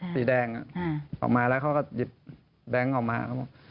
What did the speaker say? สีแดงอ่ะออกมาแล้วเขาก็หยิบแบงค์ออกมา